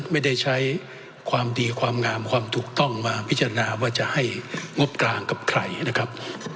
ไม่ได้ใช้ความดีความงามความถูกต้องมาพิจารณาว่าจะให้งบกลางกับใครนะครับ